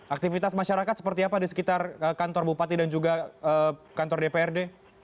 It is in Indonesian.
aktivitas masyarakat seperti apa di sekitar kantor bupati dan juga kantor dprd